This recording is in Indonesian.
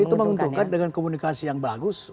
itu menguntungkan dengan komunikasi yang bagus